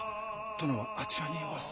殿はあちらにおわす。